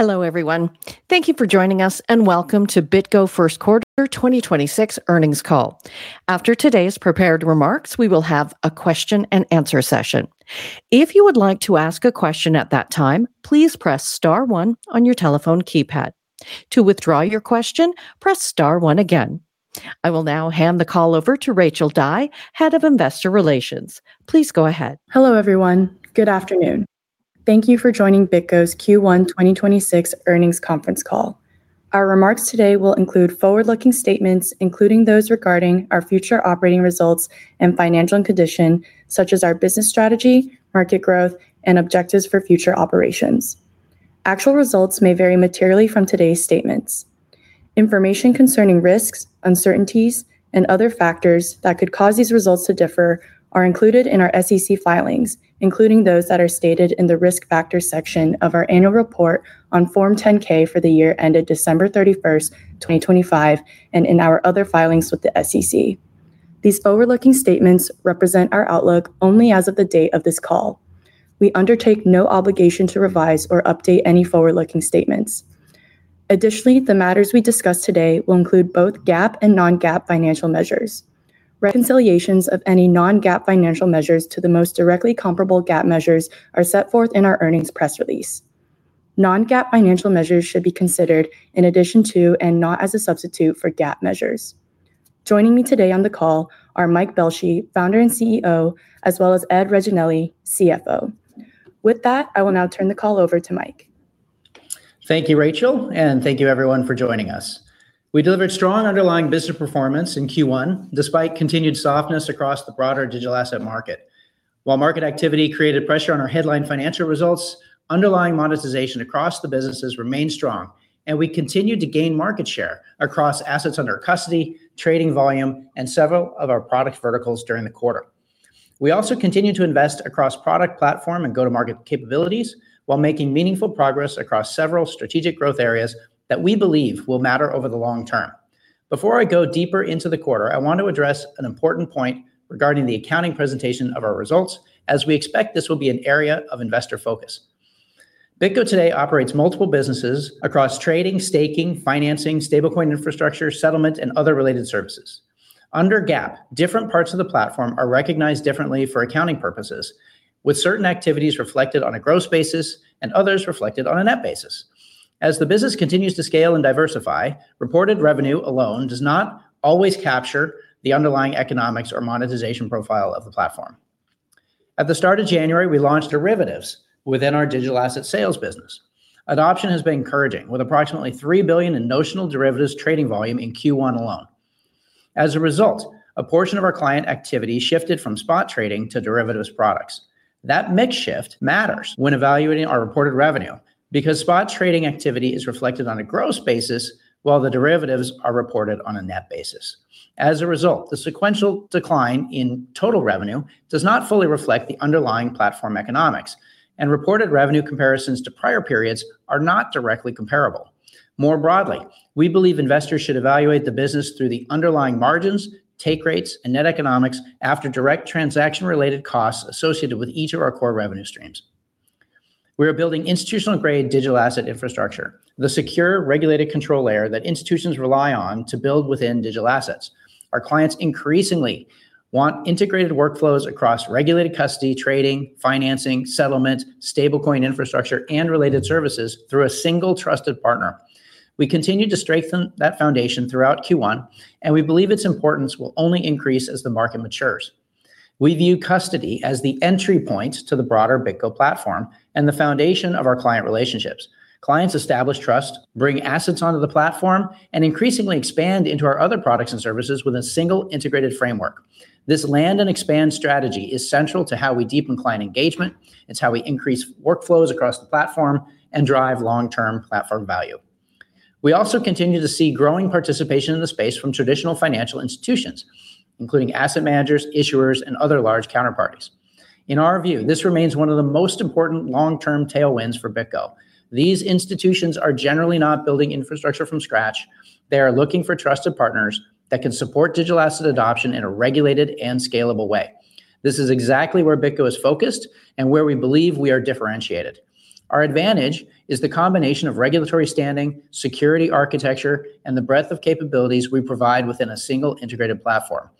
Hello, everyone. Thank you for joining us, and welcome to BitGo first quarter 2026 earnings call. After today's prepared remarks, we will have a question and answer session. If you would like to ask a question at that time, please press star one on your telephone keypad. To withdraw your question, press star one again. I will now hand the call over to Rachel Dye, Head of Investor Relations. Please go ahead. Hello, everyone. Good afternoon. Thank you for joining BitGo's Q1 2026 earnings conference call. Our remarks today will include forward-looking statements, including those regarding our future operating results and financial condition, such as our business strategy, market growth, and objectives for future operations. Actual results may vary materially from today's statements. Information concerning risks, uncertainties, and other factors that could cause these results to differ are included in our SEC filings, including those that are stated in the Risk Factors section of our annual report on Form 10-K for the year ended December 31, 2025, and in our other filings with the SEC. These forward-looking statements represent our outlook only as of the date of this call. We undertake no obligation to revise or update any forward-looking statements. Additionally, the matters we discuss today will include both GAAP and non-GAAP financial measures. Reconciliations of any non-GAAP financial measures to the most directly comparable GAAP measures are set forth in our earnings press release. Non-GAAP financial measures should be considered in addition to and not as a substitute for GAAP measures. Joining me today on the call are Mike Belshe, Founder and CEO, as well as Ed Reginelli, CFO. With that, I will now turn the call over to Mike. Thank you, Rachel, and thank you everyone for joining us. We delivered strong underlying business performance in Q1 despite continued softness across the broader digital asset market. While market activity created pressure on our headline financial results, underlying monetization across the businesses remained strong, and we continued to gain market share across assets under custody, trading volume, and several of our product verticals during the quarter. We also continued to invest across product platform and go-to-market capabilities while making meaningful progress across several strategic growth areas that we believe will matter over the long term. Before I go deeper into the quarter, I want to address an important point regarding the accounting presentation of our results, as we expect this will be an area of investor focus. BitGo today operates multiple businesses across trading, staking, financing, stablecoin infrastructure, settlement, and other related services. Under GAAP, different parts of the platform are recognized differently for accounting purposes, with certain activities reflected on a gross basis and others reflected on a net basis. The business continues to scale and diversify, reported revenue alone does not always capture the underlying economics or monetization profile of the platform. At the start of January, we launched derivatives within our digital asset sales business. Adoption has been encouraging, with approximately $3 billion in notional derivatives trading volume in Q1 alone. As a result, a portion of our client activity shifted from spot trading to derivatives products. That mix shift matters when evaluating our reported revenue because spot trading activity is reflected on a gross basis while the derivatives are reported on a net basis. As a result, the sequential decline in total revenue does not fully reflect the underlying platform economics and reported revenue comparisons to prior periods are not directly comparable. More broadly, we believe investors should evaluate the business through the underlying margins, take rates, and net economics after direct transaction-related costs associated with each of our core revenue streams. We are building institutional-grade digital asset infrastructure, the secure regulated control layer that institutions rely on to build within digital assets. Our clients increasingly want integrated workflows across regulated custody, trading, financing, settlement, stablecoin infrastructure, and related services through a single trusted partner. We continued to strengthen that foundation throughout Q1, and we believe its importance will only increase as the market matures. We view custody as the entry point to the broader BitGo platform and the foundation of our client relationships. Clients establish trust, bring assets onto the platform, and increasingly expand into our other products and services with a single integrated framework. This land and expand strategy is central to how we deepen client engagement. It's how we increase workflows across the platform and drive long-term platform value. We also continue to see growing participation in the space from traditional financial institutions, including asset managers, issuers, and other large counterparties. In our view, this remains one of the most important long-term tailwinds for BitGo. These institutions are generally not building infrastructure from scratch. They are looking for trusted partners that can support digital asset adoption in a regulated and scalable way. This is exactly where BitGo is focused and where we believe we are differentiated. Our advantage is the combination of regulatory standing, security architecture, and the breadth of capabilities we provide within a single integrated platform.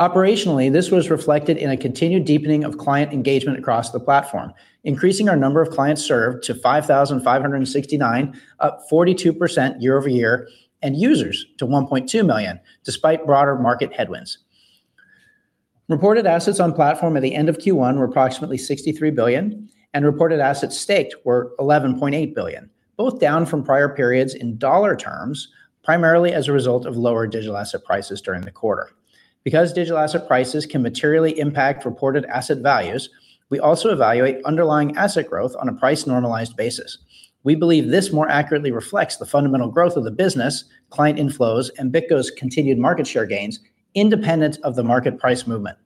Operationally, this was reflected in a continued deepening of client engagement across the platform, increasing our number of clients served to 5,569, up 42% year-over-year, and users to 1.2 million, despite broader market headwinds. Reported assets on platform at the end of Q1 were approximately $63 billion, and reported assets staked were $11.8 billion, both down from prior periods in dollar terms, primarily as a result of lower digital asset prices during the quarter. Because digital asset prices can materially impact reported asset values, we also evaluate underlying asset growth on a price-normalized basis. We believe this more accurately reflects the fundamental growth of the business, client inflows, and BitGo's continued market share gains independent of the market price movement.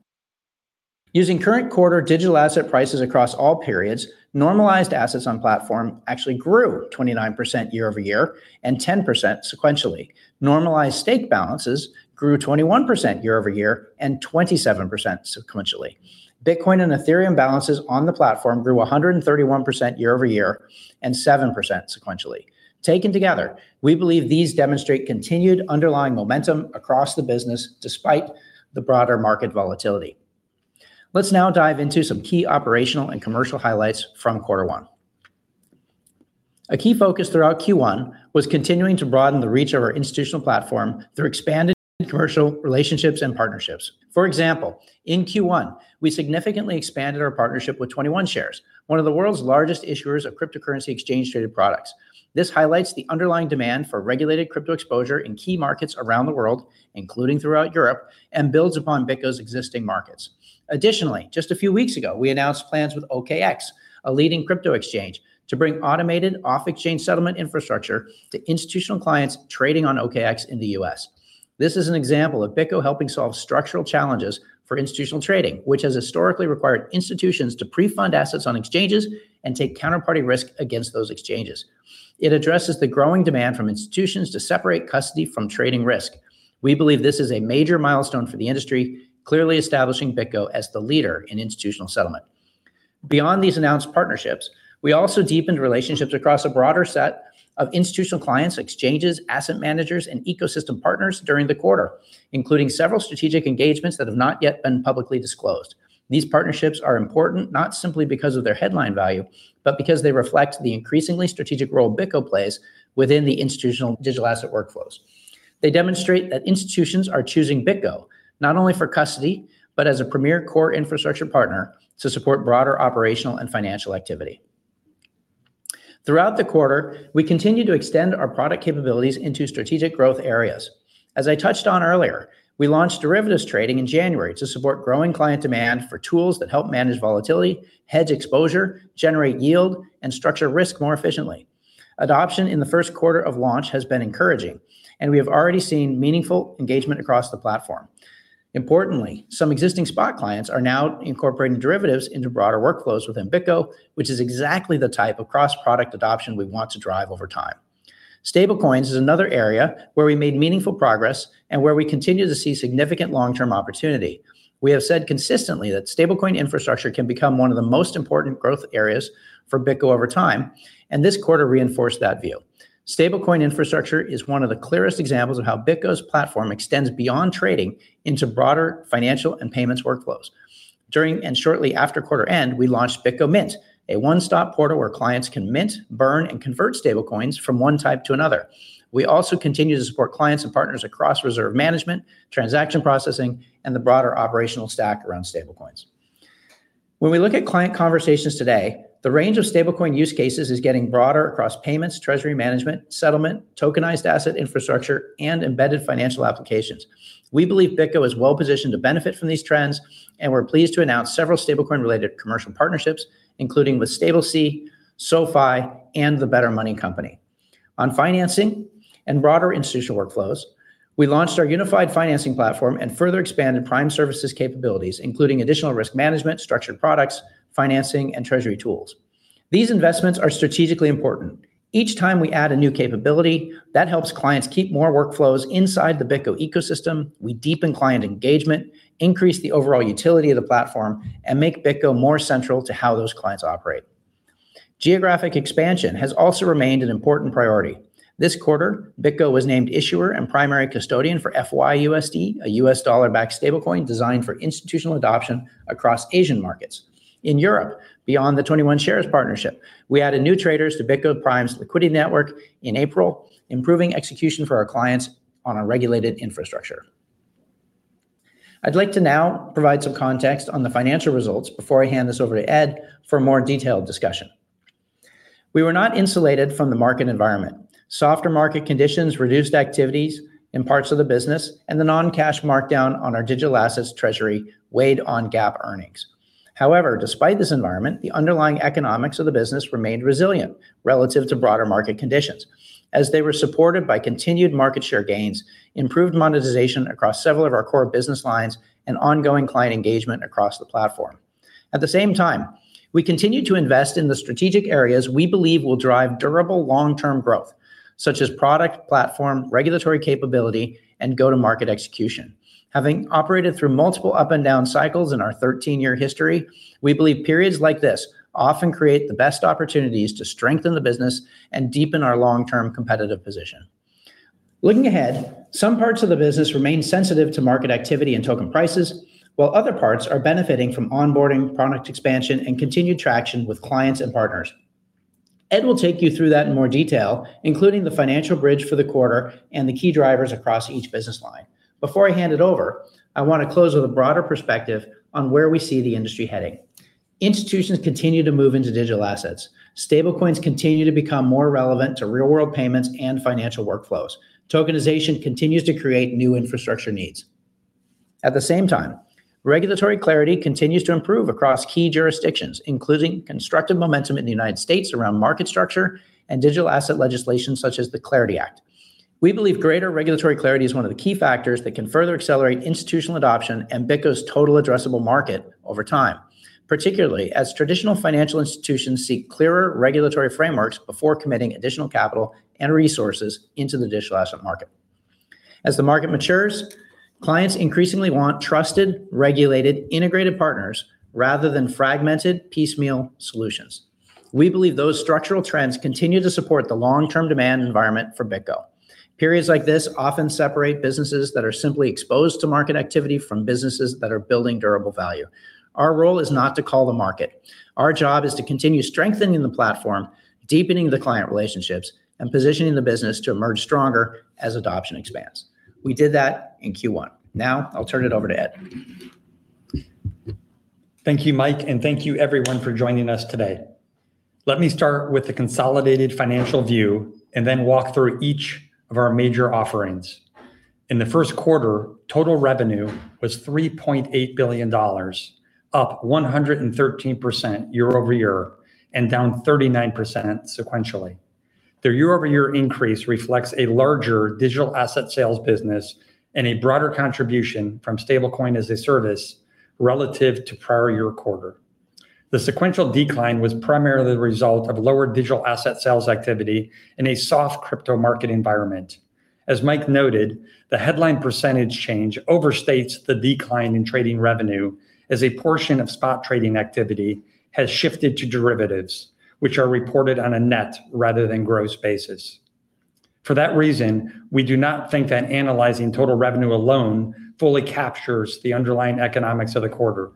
Using current quarter digital asset prices across all periods, normalized assets on platform actually grew 29% year-over-year and 10% sequentially. Normalized stake balances grew 21% year-over-year and 27% sequentially. Bitcoin and Ethereum balances on the platform grew 131% year-over-year and 7% sequentially. Taken together, we believe these demonstrate continued underlying momentum across the business despite the broader market volatility. Let's now dive into some key operational and commercial highlights from quarter one. A key focus throughout Q1 was continuing to broaden the reach of our institutional platform through expanded commercial relationships and partnerships. For example, in Q1, we significantly expanded our partnership with 21Shares, one of the world's largest issuers of cryptocurrency exchange-traded products. This highlights the underlying demand for regulated crypto exposure in key markets around the world, including throughout Europe, and builds upon BitGo's existing markets. Additionally, just a few weeks ago, we announced plans with OKX, a leading crypto exchange, to bring automated off-exchange settlement infrastructure to institutional clients trading on OKX in the U.S.. This is an example of BitGo helping solve structural challenges for institutional trading, which has historically required institutions to pre-fund assets on exchanges and take counterparty risk against those exchanges. It addresses the growing demand from institutions to separate custody from trading risk. We believe this is a major milestone for the industry, clearly establishing BitGo as the leader in institutional settlement. Beyond these announced partnerships, we also deepened relationships across a broader set of institutional clients, exchanges, asset managers, and ecosystem partners during the quarter, including several strategic engagements that have not yet been publicly disclosed. These partnerships are important not simply because of their headline value, but because they reflect the increasingly strategic role BitGo plays within the institutional digital asset workflows. They demonstrate that institutions are choosing BitGo not only for custody, but as a premier core infrastructure partner to support broader operational and financial activity. Throughout the quarter, we continued to extend our product capabilities into strategic growth areas. As I touched on earlier, we launched derivatives trading in January to support growing client demand for tools that help manage volatility, hedge exposure, generate yield, and structure risk more efficiently. Adoption in the first quarter of launch has been encouraging, and we have already seen meaningful engagement across the platform. Importantly, some existing spot clients are now incorporating derivatives into broader workflows within BitGo, which is exactly the type of cross-product adoption we want to drive over time. Stablecoins is another area where we made meaningful progress and where we continue to see significant long-term opportunity. We have said consistently that stablecoin infrastructure can become one of the most important growth areas for BitGo over time, and this quarter reinforced that view. Stablecoin infrastructure is one of the clearest examples of how BitGo's platform extends beyond trading into broader financial and payments workflows. During and shortly after quarter end, we launched BitGo Mint, a one-stop portal where clients can mint, burn, and convert stablecoins from one type to another. We also continue to support clients and partners across reserve management, transaction processing, and the broader operational stack around stablecoins. When we look at client conversations today, the range of stablecoin use cases is getting broader across payments, treasury management, settlement, tokenized asset infrastructure, and embedded financial applications. We believe BitGo is well-positioned to benefit from these trends, and we're pleased to announce several stablecoin-related commercial partnerships, including with StableC, SoFi, and The Better Money Company. On financing and broader institutional workflows, we launched our unified financing platform and further expanded Prime Services capabilities, including additional risk management, structured products, financing, and treasury tools. These investments are strategically important. Each time we add a new capability, that helps clients keep more workflows inside the BitGo ecosystem, we deepen client engagement, increase the overall utility of the platform, and make BitGo more central to how those clients operate. Geographic expansion has also remained an important priority. This quarter, BitGo was named issuer and primary custodian for FYUSD, a U.S. dollar-backed stablecoin designed for institutional adoption across Asian markets. In Europe, beyond the 21Shares partnership, we added new traders to BitGo Prime's liquidity network in April, improving execution for our clients on a regulated infrastructure. I'd like to now provide some context on the financial results before I hand this over to Ed for a more detailed discussion. We were not insulated from the market environment. Softer market conditions reduced activities in parts of the business, and the non-cash markdown on our digital assets treasury weighed on GAAP earnings. However, despite this environment, the underlying economics of the business remained resilient relative to broader market conditions, as they were supported by continued market share gains, improved monetization across several of our core business lines, and ongoing client engagement across the platform. At the same time, we continued to invest in the strategic areas we believe will drive durable long-term growth, such as product, platform, regulatory capability, and go-to-market execution. Having operated through multiple up and down cycles in our 13-year history, we believe periods like this often create the best opportunities to strengthen the business and deepen our long-term competitive position. Looking ahead, some parts of the business remain sensitive to market activity and token prices, while other parts are benefiting from onboarding, product expansion, and continued traction with clients and partners. Ed will take you through that in more detail, including the financial bridge for the quarter and the key drivers across each business line. Before I hand it over, I want to close with a broader perspective on where we see the industry heading. Institutions continue to move into digital assets. Stablecoins continue to become more relevant to real-world payments and financial workflows. Tokenization continues to create new infrastructure needs. At the same time, regulatory clarity continues to improve across key jurisdictions, including constructive momentum in the U.S. around market structure and digital asset legislation such as the Clarity Act. We believe greater regulatory clarity is one of the key factors that can further accelerate institutional adoption and BitGo's total addressable market over time, particularly as traditional financial institutions seek clearer regulatory frameworks before committing additional capital and resources into the digital asset market. As the market matures, clients increasingly want trusted, regulated, integrated partners rather than fragmented piecemeal solutions. We believe those structural trends continue to support the long-term demand environment for BitGo. Periods like this often separate businesses that are simply exposed to market activity from businesses that are building durable value. Our role is not to call the market. Our job is to continue strengthening the platform, deepening the client relationships, and positioning the business to emerge stronger as adoption expands. We did that in Q1. Now I'll turn it over to Ed. Thank you, Mike, and thank you everyone for joining us today. Let me start with the consolidated financial view and then walk through each of our major offerings. In the first quarter, total revenue was $3.8 billion, up 113% year-over-year and down 39% sequentially. The year-over-year increase reflects a larger digital asset sales business and a broader contribution from Stablecoin-as-a-Service relative to prior year quarter. The sequential decline was primarily the result of lower digital asset sales activity in a soft crypto market environment. As Mike noted, the headline percentage change overstates the decline in trading revenue as a portion of spot trading activity has shifted to derivatives, which are reported on a net rather than gross basis. For that reason, we do not think that analyzing total revenue alone fully captures the underlying economics of the quarter.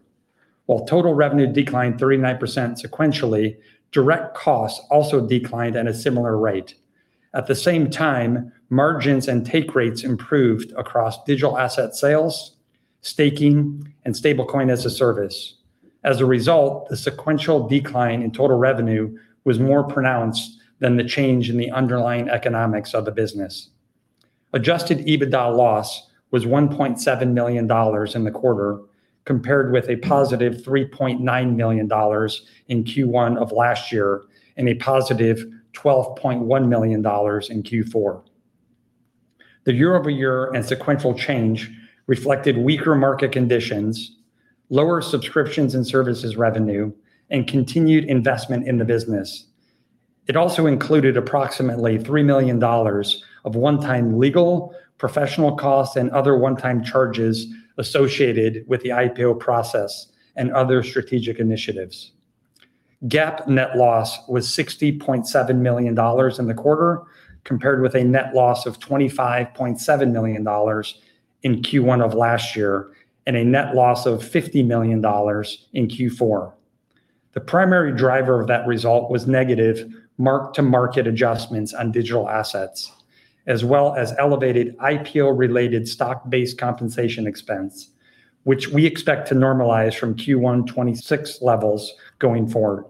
While total revenue declined 39% sequentially, direct costs also declined at a similar rate. At the same time, margins and take rates improved across digital asset sales, staking, and Stablecoin-as-a-Service. As a result, the sequential decline in total revenue was more pronounced than the change in the underlying economics of the business. Adjusted EBITDA loss was $1.7 million in the quarter, compared with a positive $3.9 million in Q1 of last year and a positive $12.1 million in Q4. The year-over-year and sequential change reflected weaker market conditions, lower subscriptions and services revenue, and continued investment in the business. It also included approximately $3 million of one-time legal, professional costs, and other one-time charges associated with the IPO process and other strategic initiatives. GAAP net loss was $60.7 million in the quarter, compared with a net loss of $25.7 million in Q1 of last year and a net loss of $50 million in Q4. The primary driver of that result was negative mark-to-market adjustments on digital assets, as well as elevated IPO-related stock-based compensation expense, which we expect to normalize from Q1 2026 levels going forward.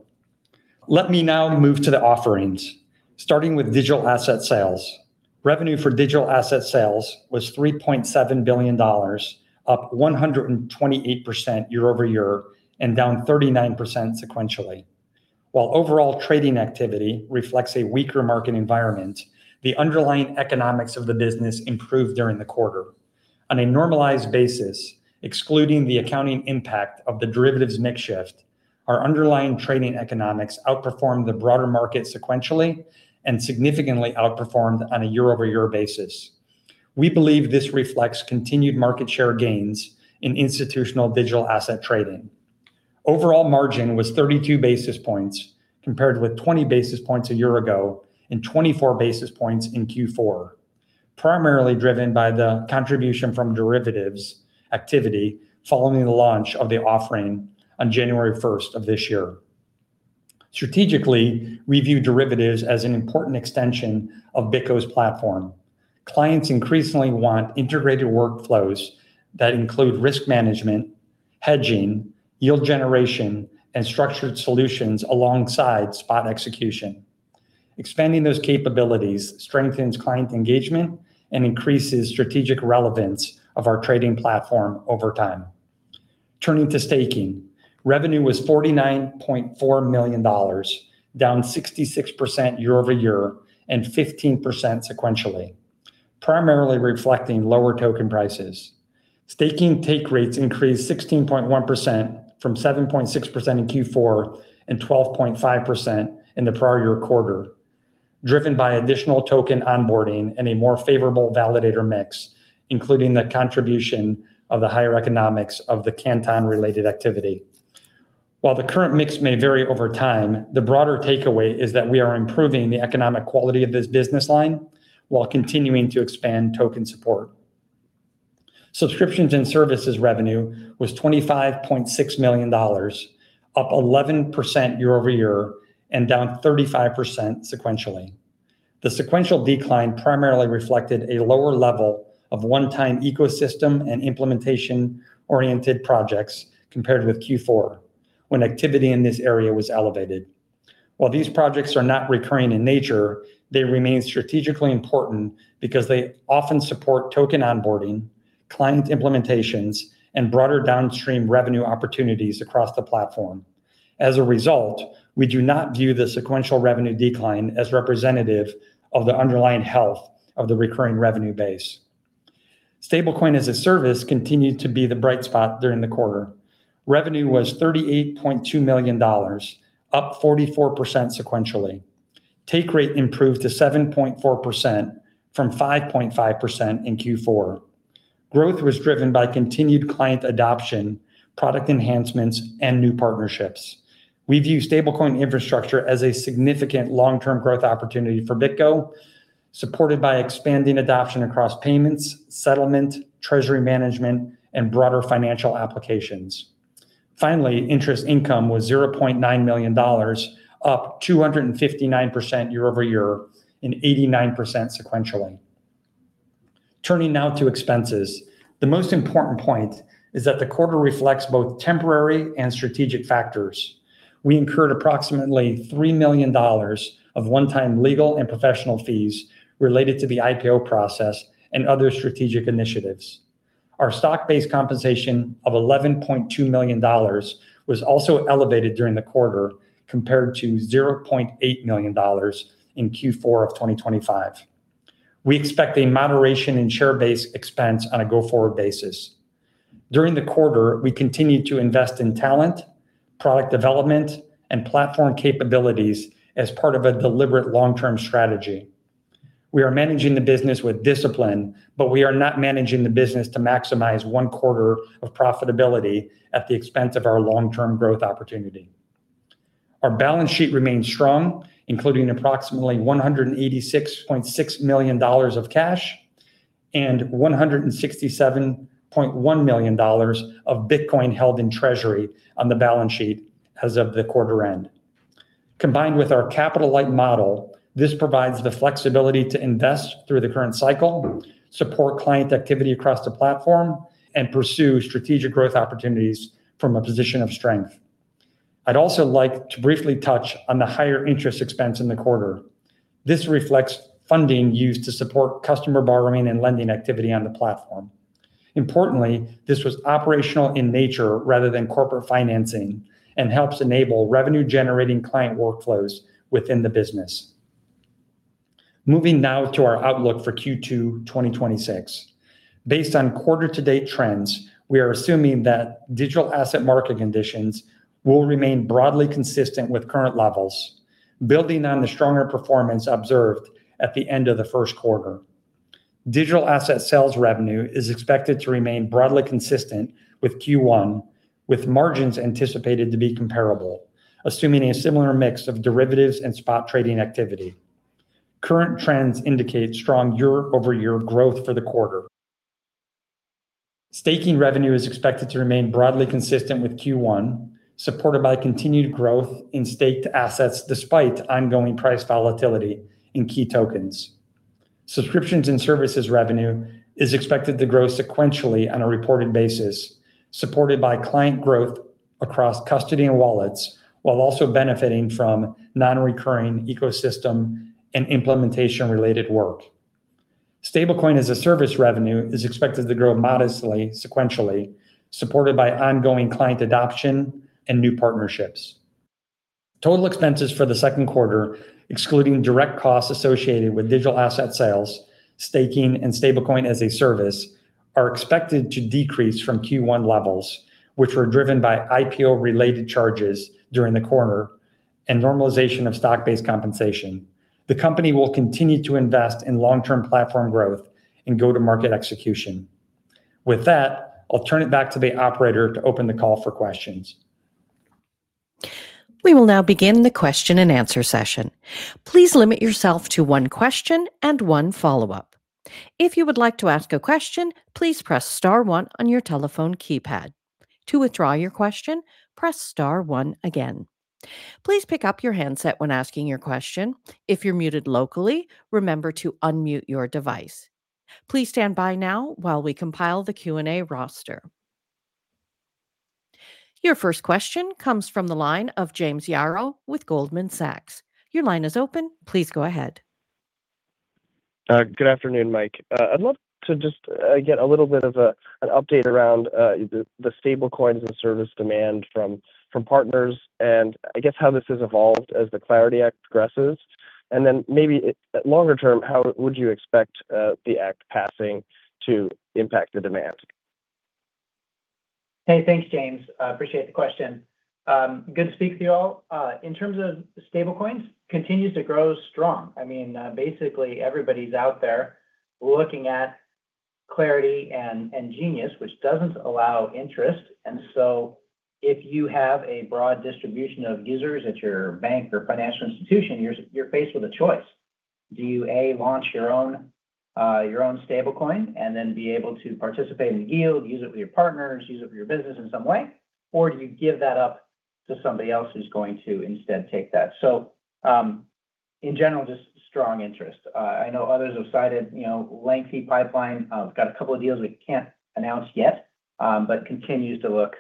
Let me now move to the offerings. Starting with digital asset sales. Revenue for digital asset sales was $3.7 billion, up 128% year-over-year and down 39% sequentially. While overall trading activity reflects a weaker market environment, the underlying economics of the business improved during the quarter. On a normalized basis, excluding the accounting impact of the derivatives mix shift, our underlying trading economics outperformed the broader market sequentially and significantly outperformed on a year-over-year basis. We believe this reflects continued market share gains in institutional digital asset trading. Overall margin was 32 basis points compared with 20 basis points a year ago and 24 basis points in Q4, primarily driven by the contribution from derivatives activity following the launch of the offering on January 1 of this year. Strategically, we view derivatives as an important extension of BitGo's platform. Clients increasingly want integrated workflows that include risk management, hedging, yield generation, and structured solutions alongside spot execution. Expanding those capabilities strengthens client engagement and increases strategic relevance of our trading platform over time. Turning to staking. Revenue was $49.4 million, down 66% year-over-year and 15% sequentially, primarily reflecting lower token prices. Staking take rates increased 16.1% from 7.6% in Q4 and 12.5% in the prior year quarter, driven by additional token onboarding and a more favorable validator mix, including the contribution of the higher economics of the Canton related activity. While the current mix may vary over time, the broader takeaway is that we are improving the economic quality of this business line while continuing to expand token support. Subscriptions and services revenue was $25.6 million, up 11% year-over-year and down 35% sequentially. The sequential decline primarily reflected a lower level of one-time ecosystem and implementation-oriented projects compared with Q4, when activity in this area was elevated. While these projects are not recurring in nature, they remain strategically important because they often support token onboarding, client implementations, and broader downstream revenue opportunities across the platform. We do not view the sequential revenue decline as representative of the underlying health of the recurring revenue base. Stablecoin-as-a-Service continued to be the bright spot during the quarter. Revenue was $38.2 million, up 44% sequentially. Take rate improved to 7.4% from 5.5% in Q4. Growth was driven by continued client adoption, product enhancements, and new partnerships. We view stablecoin infrastructure as a significant long-term growth opportunity for BitGo, supported by expanding adoption across payments, settlement, treasury management, and broader financial applications. Interest income was $0.9 million, up 259% year-over-year and 89% sequentially. Turning now to expenses. The most important point is that the quarter reflects both temporary and strategic factors. We incurred approximately $3 million of one-time legal and professional fees related to the IPO process and other strategic initiatives. Our stock-based compensation of $11.2 million was also elevated during the quarter compared to $0.8 million in Q4 of 2025. We expect a moderation in share base expense on a go-forward basis. During the quarter, we continued to invest in talent, product development, and platform capabilities as part of a deliberate long-term strategy. We are managing the business with discipline. We are not managing the business to maximize one quarter of profitability at the expense of our long-term growth opportunity. Our balance sheet remains strong, including approximately $186.6 million of cash and $167.1 million of Bitcoin held in treasury on the balance sheet as of the quarter end. Combined with our capital-light model, this provides the flexibility to invest through the current cycle, support client activity across the platform, and pursue strategic growth opportunities from a position of strength. I'd also like to briefly touch on the higher interest expense in the quarter. This reflects funding used to support customer borrowing and lending activity on the platform. Importantly, this was operational in nature rather than corporate financing and helps enable revenue-generating client workflows within the business. Moving now to our outlook for Q2 2026. Based on quarter-to-date trends, we are assuming that digital asset market conditions will remain broadly consistent with current levels, building on the stronger performance observed at the end of the first quarter. Digital asset sales revenue is expected to remain broadly consistent with Q1, with margins anticipated to be comparable, assuming a similar mix of derivatives and spot trading activity. Current trends indicate strong year-over-year growth for the quarter. Staking revenue is expected to remain broadly consistent with Q1, supported by continued growth in staked assets despite ongoing price volatility in key tokens. Subscriptions and services revenue is expected to grow sequentially on a reported basis, supported by client growth across custody and wallets, while also benefiting from non-recurring ecosystem and implementation-related work. Stablecoin-as-a-Service revenue is expected to grow modestly sequentially, supported by ongoing client adoption and new partnerships. Total expenses for the second quarter, excluding direct costs associated with digital asset sales, staking, and Stablecoin-as-a-Service, are expected to decrease from Q1 levels, which were driven by IPO-related charges during the quarter and normalization of stock-based compensation. The company will continue to invest in long-term platform growth and go-to-market execution. With that, I'll turn it back to the operator to open the call for questions. We will now begin the question-and-answer session. Please limit yourself to one question and one follow-up. If you would like to ask a question, please press star one on your telephone keypad. To withdraw your question, press star one again. Please pick up your handset when asking your question. If you're muted locally, remember to unmute your device. Please stand by now while we compile the Q&A roster. Your first question comes from the line of James Yaro with Goldman Sachs. Your line is open. Please go ahead. Good afternoon, Mike. I'd love to just get a little bit of an update around the stablecoins and service demand from partners, and I guess how this has evolved as the Clarity Act progresses. Maybe longer term, how would you expect the act passing to impact the demand? Hey, thanks, James. I appreciate the question. Good to speak to you all. In terms of stablecoins, continues to grow strong. I mean, basically everybody's out there looking at Clarity and GENIUS, which doesn't allow interest. If you have a broad distribution of users at your bank or financial institution, you're faced with a choice. Do you, A, launch your own, your own stablecoin and then be able to participate in yield, use it with your partners, use it with your business in some way? Do you give that up to somebody else who's going to instead take that? In general, just strong interest. I know others have cited, you know, lengthy pipeline. We've got a couple of deals we can't announce yet, but continues to look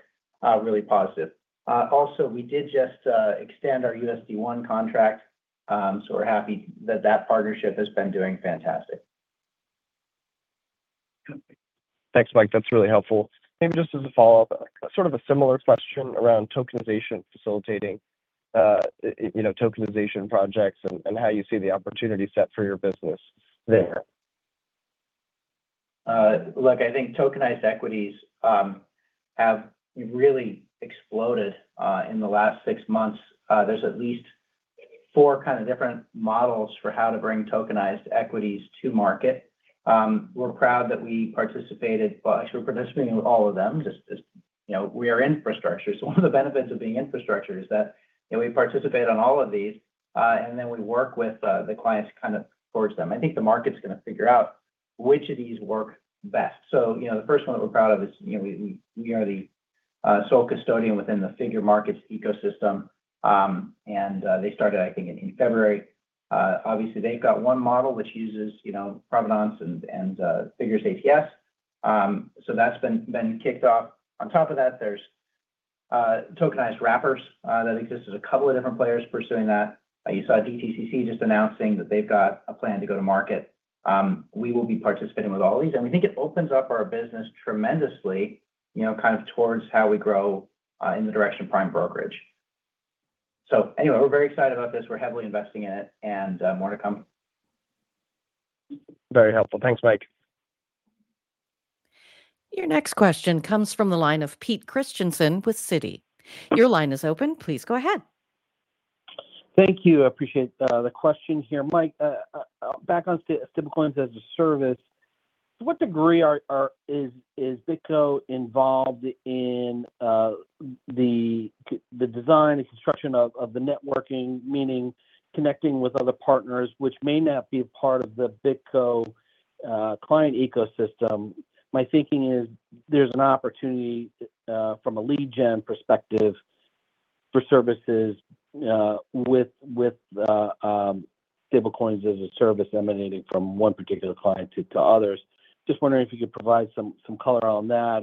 really positive. Also, we did just extend our USD 1 contract, so we're happy that that partnership has been doing fantastic. Thanks, Mike. That's really helpful. Maybe just as a follow-up, sort of a similar question around tokenization facilitating, you know, tokenization projects and how you see the opportunity set for your business there. Look, I think tokenized equities have really exploded in the last six months. There's at least four kind of different models for how to bring tokenized equities to market. We're proud that we participated, well, actually we're participating with all of them. You know, we are infrastructure. One of the benefits of being infrastructure is that, you know, we participate on all of these, and then we work with the clients to kind of forge them. I think the market's gonna figure out which of these work best. You know, the first one that we're proud of is, you know, we are the sole custodian within the Figure Markets ecosystem. They started, I think in February. Obviously they've got one model which uses, you know, Provenance and Figure ATS. That's been kicked off. On top of that, there's tokenized wrappers that exist. There's a couple of different players pursuing that. You saw DTCC just announcing that they've got a plan to go to market. We will be participating with all these, and we think it opens up our business tremendously, you know, kind of towards how we grow in the direction of prime brokerage. Anyway, we're very excited about this. We're heavily investing in it and more to come. Very helpful. Thanks, Mike. Your next question comes from the line of Pete Christiansen with Citi. Your line is open. Please go ahead. Thank you. I appreciate the question here. Mike, back on Stablecoin-as-a-Service, to what degree is BitGo involved in the design and construction of the networking? Meaning connecting with other partners which may not be a part of the BitGo client ecosystem. My thinking is there's an opportunity from a lead gen perspective for services with Stablecoin-as-a-Service emanating from one particular client to others. Just wondering if you could provide some color on that.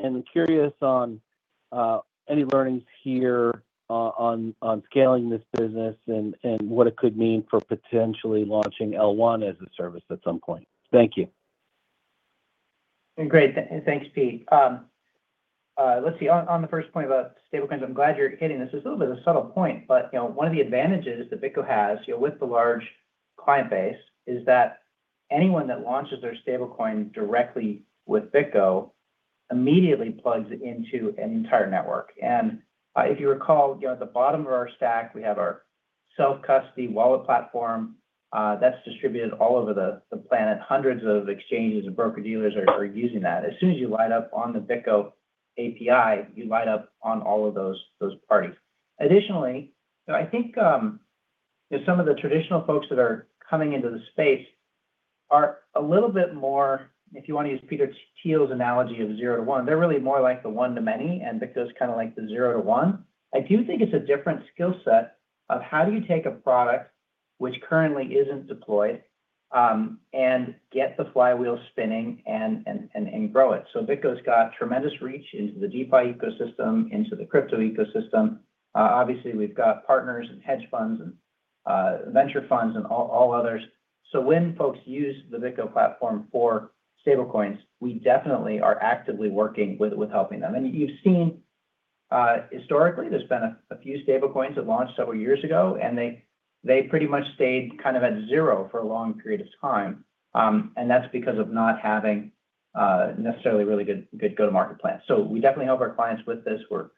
I'm curious on any learnings here on scaling this business and what it could mean for potentially launching L1 as a service at some point. Thank you. Great. Thanks, Pete. Let's see. On the first point about stablecoins, I'm glad you're hitting this. It's a little bit of a subtle point, you know, one of the advantages that BitGo has, you know, with the large client base, is that anyone that launches their stablecoin directly with BitGo immediately plugs into an entire network. If you recall, you know, at the bottom of our stack, we have our self-custody wallet platform that's distributed all over the planet. Hundreds of exchanges and broker-dealers are using that. As soon as you light up on the BitGo API, you light up on all of those parties. Additionally, you know, I think, you know, some of the traditional folks that are coming into the space are a little bit more, if you want to use Peter Thiel's analogy of zero to one, they're really more like the one to many, and BitGo's kind of like the zero to one. I do think it's a different skill set of how do you take a product which currently isn't deployed, and get the flywheel spinning and grow it. BitGo's got tremendous reach into the DeFi ecosystem, into the crypto ecosystem. Obviously we've got partners and hedge funds and venture funds and all others. When folks use the BitGo platform for stablecoins, we definitely are actively working with helping them. You've seen, historically there's been a few stablecoins that launched several years ago, and they pretty much stayed kind of at zero for a long period of time. That's because of not having, necessarily a really good go-to-market plan. We definitely help our clients with this. We're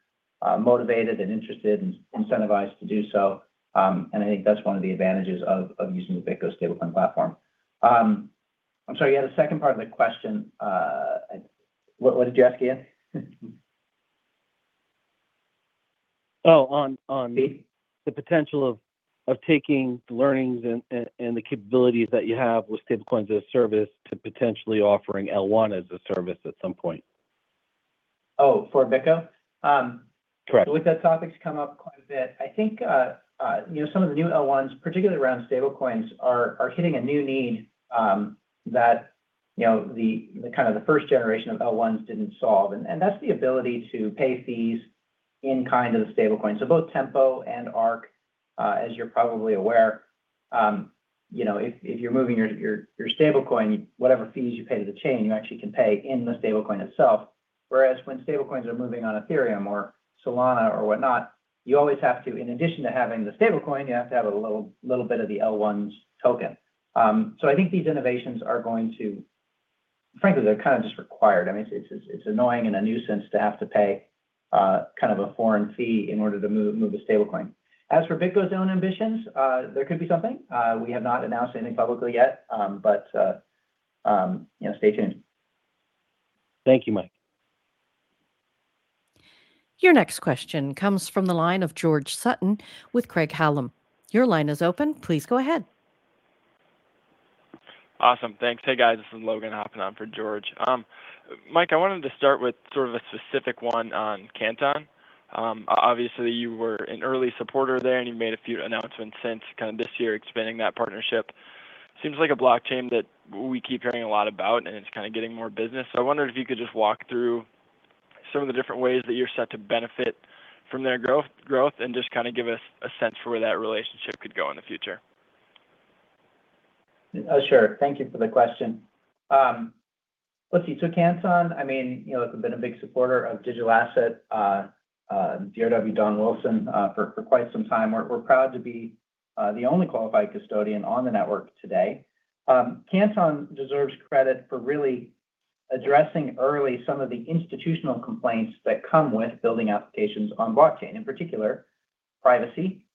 motivated and interested and incentivized to do so. I think that's one of the advantages of using the BitGo stablecoin platform. I'm sorry, you had a second part of the question. What did you ask again? Oh, on- Yeah. The potential of taking the learnings and the capabilities that you have with Stablecoin-as-a-Service to potentially offering L1 as a service at some point. Oh, for BitGo? Correct. With that topic's come up quite a bit. I think, you know, some of the new L1s, particularly around stablecoins, are hitting a new need, that, you know, kind of the first generation of L1s didn't solve, and that's the ability to pay fees in kind of the stablecoin. Both Tempo and Arc, as you're probably aware, you know, if you're moving your stablecoin, whatever fees you pay to the chain, you actually can pay in the stablecoin itself. Whereas when stablecoins are moving on Ethereum or Solana or whatnot, you always have to, in addition to having the stablecoin, you have to have a little bit of the L1's token. I think these innovations are going to frankly, they're kind of just required. I mean, it's annoying and a nuisance to have to pay kind of a foreign fee in order to move a stablecoin. As for BitGo's own ambitions, there could be something. We have not announced anything publicly yet, you know, stay tuned. Thank you, Mike. Your next question comes from the line of George Sutton with Craig-Hallum. Your line is open. Please go ahead. Awesome. Thanks. Hey, guys, this is Logan hopping on for George. Mike, I wanted to start with sort of a specific one on Canton. Obviously you were an early supporter there, and you've made a few announcements since kind of this year expanding that partnership. Seems like a blockchain that we keep hearing a lot about, and it's kind of getting more business. I wondered if you could just walk through some of the different ways that you're set to benefit from their growth, and just kind of give us a sense for where that relationship could go in the future. Sure. Thank you for the question. Let's see, Canton, I mean, you know, has been a big supporter of digital asset, DRW Don Wilson, for quite some time. We're proud to be the only qualified custodian on the network today. Canton deserves credit for really addressing early some of the institutional complaints that come with building applications on blockchain, in particular privacy,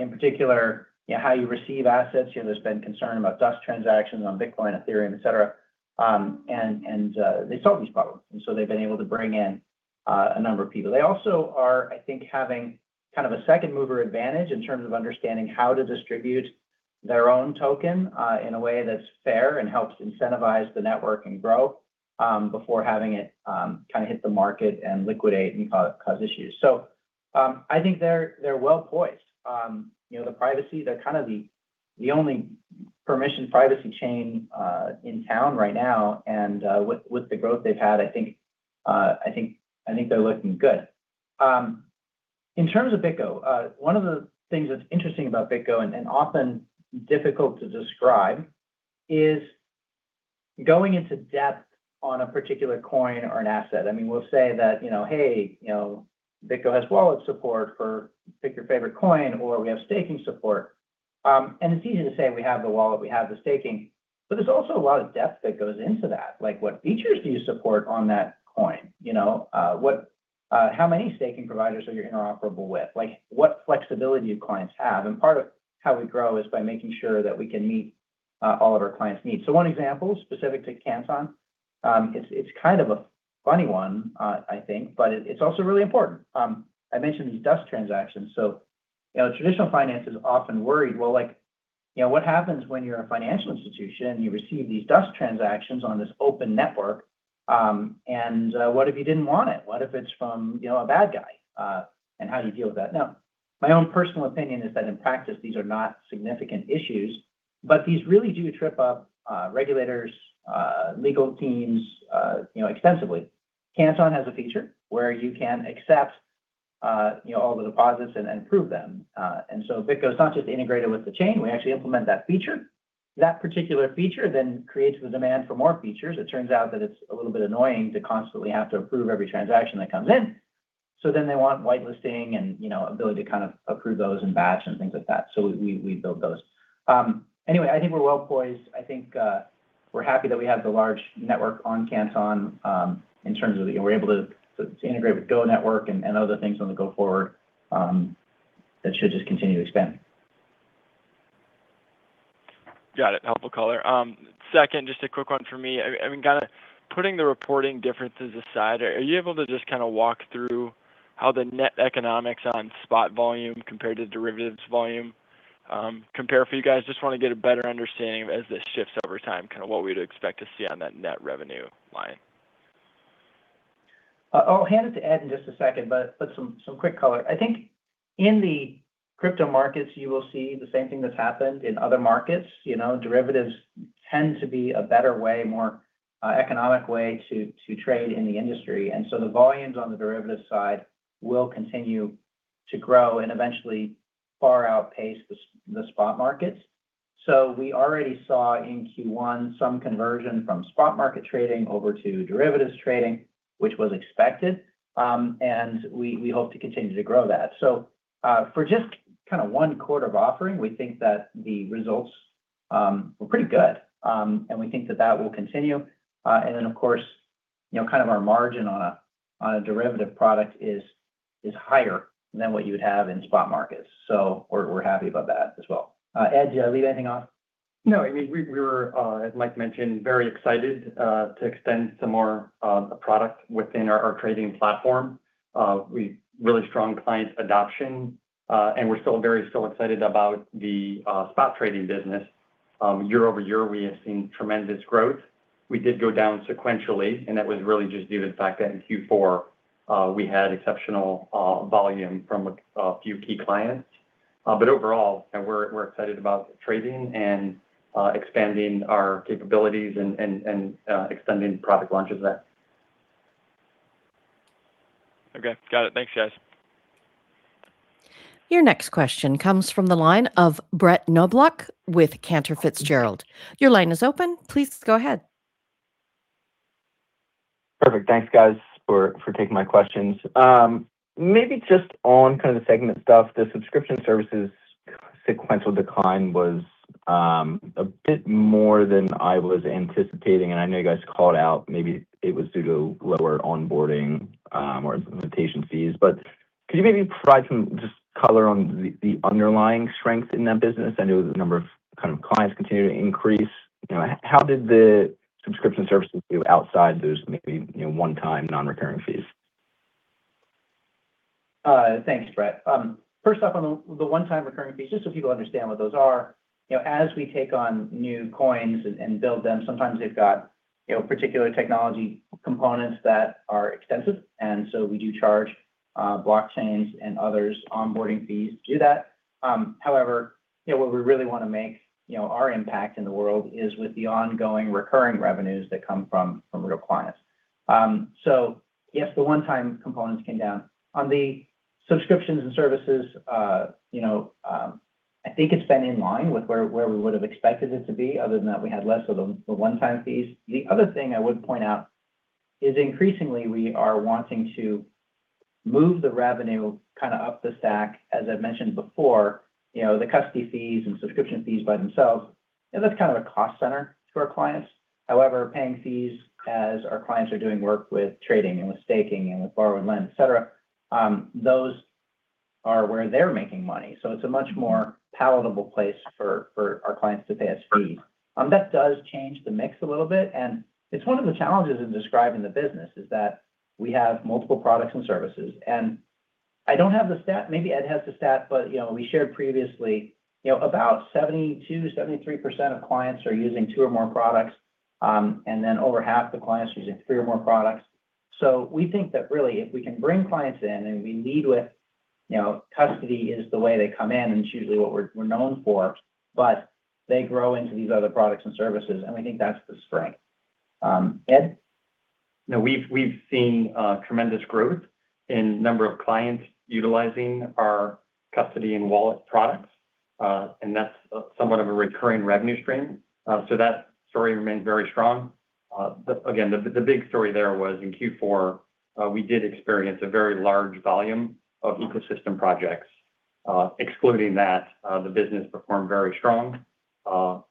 in particular, you know, how you receive assets. You know, there's been concern about dust transactions on Bitcoin, Ethereum, et cetera. They solve these problems, they've been able to bring in a number of people. They also are, I think, having kind of a second mover advantage in terms of understanding how to distribute their own token in a way that's fair and helps incentivize the network and grow before having it kind of hit the market and liquidate and cause issues. I think they're well-poised. You know, the privacy, they're kind of the only permission privacy chain in town right now. With the growth they've had, I think they're looking good. In terms of BitGo, one of the things that's interesting about BitGo and often difficult to describe is going into depth on a particular coin or an asset. I mean, we'll say that, you know, "Hey, you know, BitGo has wallet support for," pick your favorite coin, or, "We have staking support." It's easy to say we have the wallet, we have the staking, but there's also a lot of depth that goes into that. Like, what features do you support on that coin? You know? How many staking providers are you interoperable with? Like, what flexibility do clients have? Part of how we grow is by making sure that we can meet all of our clients' needs. One example specific to Canton, it's kind of a funny one, I think, but it's also really important. I mentioned these dust transactions. You know, traditional finance is often worried, well, like, you know, what happens when you're a financial institution and you receive these dust transactions on this open network? What if you didn't want it? What if it's from, you know, a bad guy? How do you deal with that? Now, my own personal opinion is that in practice, these are not significant issues, but these really do trip up regulators, legal teams, you know, extensively. Canton has a feature where you can accept, you know, all the deposits and prove them. BitGo's not just integrated with the chain, we actually implement that feature. That particular feature creates the demand for more features. It turns out that it's a little bit annoying to constantly have to approve every transaction that comes in, so then they want whitelisting and, you know, ability to kind of approve those in batch and things like that. We build those. I think we're well-poised. I think we're happy that we have the large network on Canton, in terms of, you know, we're able to integrate with Go Network and other things on the go forward, that should just continue to expand. Got it. Helpful color. Second, just a quick one for me. I mean, kinda putting the reporting differences aside, are you able to just kinda walk through how the net economics on spot volume compared to derivatives volume, compare for you guys? Just wanna get a better understanding of as this shifts over time, kind of what we'd expect to see on that net revenue line. I'll hand it to Ed in just a second, but some quick color. I think in the crypto markets, you will see the same thing that's happened in other markets. You know, derivatives tend to be a better way, more economic way to trade in the industry. The volumes on the derivatives side will continue to grow and eventually far outpace the spot markets. We already saw in Q1 some conversion from spot market trading over to derivatives trading, which was expected. We hope to continue to grow that. For just kind of one quarter of offering, we think that the results were pretty good. We think that that will continue. Of course, you know, kind of our margin on a derivative product is higher than what you would have in spot markets. We're happy about that as well. Ed, do you leave anything off? No, I mean, we're, as Mike mentioned, very excited to extend some more product within our trading platform. We've really strong client adoption, and we're still very excited about the spot trading business. Year-over-year, we have seen tremendous growth. We did go down sequentially, and that was really just due to the fact that in Q4, we had exceptional volume from a few key clients. Overall, you know, we're excited about trading and expanding our capabilities and extending product launches there. Okay. Got it. Thanks, guys. Your next question comes from the line of Brett Knoblauch with Cantor Fitzgerald. Your line is open. Please go ahead. Perfect. Thanks, guys, for taking my questions. Maybe just on kind of the segment stuff, the subscription services sequential decline was a bit more than I was anticipating, and I know you guys called out maybe it was due to lower onboarding or implementation fees. Could you maybe provide some just color on the underlying strength in that business? I know the number of kind of clients continue to increase. You know, how did the subscription services do outside those maybe, you know, one-time non-recurring fees? Thanks, Brett. First off on the one-time recurring fees, just so people understand what those are. You know, as we take on new coins and build them, sometimes they've got, you know, particular technology components that are extensive. We do charge blockchains and others onboarding fees to do that. However, you know, where we really wanna make, you know, our impact in the world is with the ongoing recurring revenues that come from real clients. Yes, the one-time components came down. On the subscriptions and services, you know, I think it's been in line with where we would have expected it to be, other than that we had less of the one-time fees. The other thing I would point out is increasingly we are wanting to move the revenue kind of up the stack. As I've mentioned before, you know, the custody fees and subscription fees by themselves, you know, that's kind of a cost center to our clients. Paying fees as our clients are doing work with trading and with staking and with borrow and lend, et cetera, those are where they're making money. It's a much more palatable place for our clients to pay us fees. That does change the mix a little bit, and it's one of the challenges in describing the business is that we have multiple products and services. I don't have the stat, maybe Ed has the stat, but, you know, we shared previously, you know, about 72%, 73% of clients are using two or more products. Over half the clients using three or more products. We think that really if we can bring clients in and we lead with, you know, custody is the way they come in, and it's usually what we're known for, but they grow into these other products and services, and we think that's the strength. Ed? We've seen tremendous growth in number of clients utilizing our custody and wallet products, and that's somewhat of a recurring revenue stream. That story remains very strong. Again, the big story there was in Q4, we did experience a very large volume of ecosystem projects. Excluding that, the business performed very strong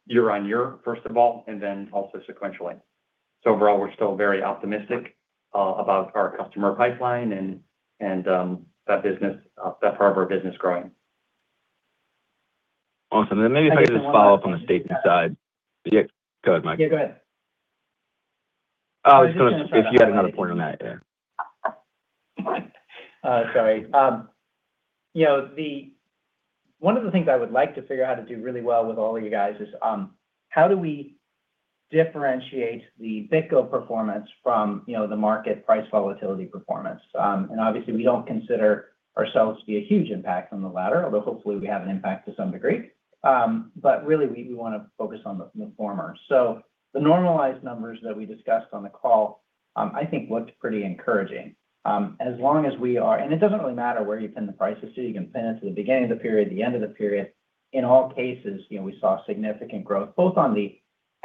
year-over-year, first of all, and then also sequentially. Overall, we're still very optimistic about our customer pipeline and that business, that part of our business growing. Awesome. Then maybe if I could just follow up on the staking side. Yeah, go ahead, Mike. Yeah, go ahead. Oh, I was gonna If you had another point on that, yeah. Sorry. You know, one of the things I would like to figure out how to do really well with all of you guys is, how do we differentiate the BitGo performance from, you know, the market price volatility performance? Obviously, we don't consider ourselves to be a huge impact on the latter, although hopefully we have an impact to some degree. Really we wanna focus on the former. The normalized numbers that we discussed on the call, I think looked pretty encouraging. As long as we are, and it doesn't really matter where you pin the prices to. You can pin it to the beginning of the period, the end of the period. In all cases, you know, we saw significant growth both on the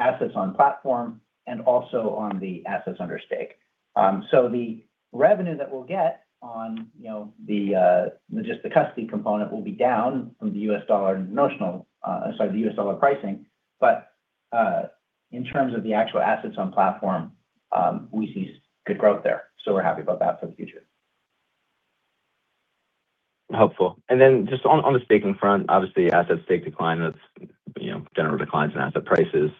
assets on platform and also on the assets under stake. The revenue that we'll get on, you know, the, just the custody component will be down from the U.S. dollar notional, sorry, the U.S. dollar pricing. In terms of the actual assets on platform, we see good growth there. We're happy about that for the future. Helpful. Just on the staking front, obviously asset stake decline, that's, you know, general declines in asset prices.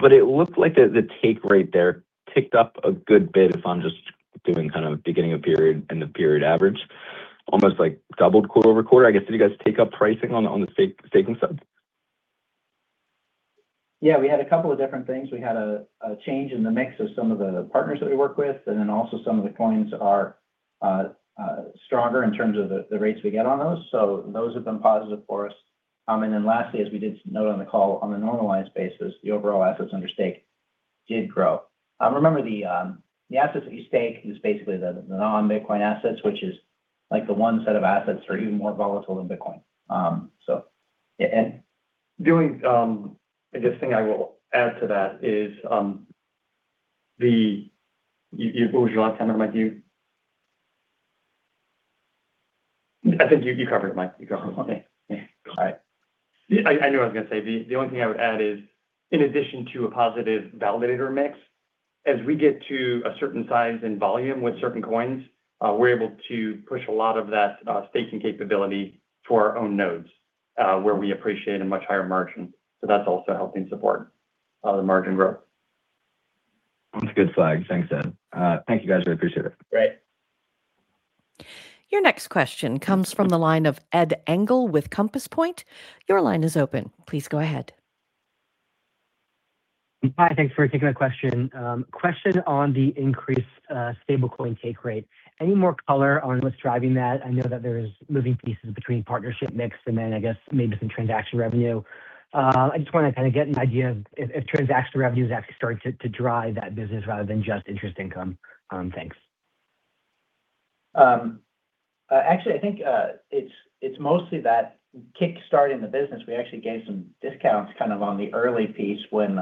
It looked like the take rate there ticked up a good bit if I'm just doing kind of beginning of period and the period average, almost like doubled quarter-over-quarter, I guess. Did you guys tick up pricing on the staking side? We had a couple of different things. We had a change in the mix of some of the partners that we work with, and then also some of the coins are stronger in terms of the rates we get on those. Those have been positive for us. Lastly, as we did note on the call, on a normalized basis, the overall assets under stake did grow. Remember the assets that you stake is basically the non-Bitcoin assets, which is like the one set of assets that are even more volatile than Bitcoin. Ed? Doing, I guess the thing I will add to that is. What was your last comment, Mike? I think you covered it, Mike. You covered it. Okay. Yeah. All right. I knew what I was gonna say. The only thing I would add is in addition to a positive validator mix, as we get to a certain size and volume with certain coins, we're able to push a lot of that staking capability to our own nodes, where we appreciate a much higher margin. That's also helping support the margin growth. That's a good slide. Thanks, Ed. Thank you, guys. I appreciate it. Great. Your next question comes from the line of Ed Engel with Compass Point. Your line is open. Please go ahead. Hi, thanks for taking my question. Question on the increased stablecoin take rate. Any more color on what's driving that? I know that there's moving pieces between partnership mix and then some transaction revenue. I just wanna get an idea if transaction revenue is actually starting to drive that business rather than just interest income. Thanks. Actually I think it's mostly that kickstarting the business. We actually gave some discounts kind of on the early piece when